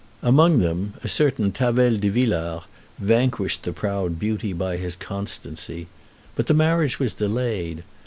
Among them, a certain Tavel de Villars, vanquished the proud beauty by his constancy. But the marriage was delayed.